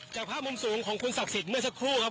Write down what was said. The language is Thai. จากภาพมุมสูงของคุณศักดิ์สิทธิ์เมื่อสักครู่ครับ